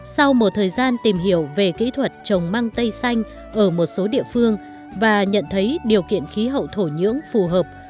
sau một thời gian tìm hiểu về kỹ thuật trồng măng tây xanh ở một số địa phương và nhận thấy điều kiện khí hậu thổ nhưỡng phù hợp